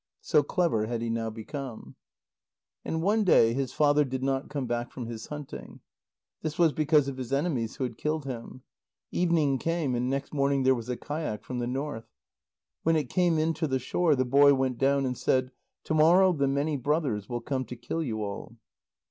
So clever had he now become. And one day his father did not come back from his hunting. This was because of his enemies, who had killed him. Evening came, and next morning there was a kayak from the north. When it came in to the shore, the boy went down and said: "To morrow the many brothers will come to kill you all."